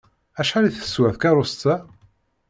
Acḥal i teswa tkeṛṛust-a?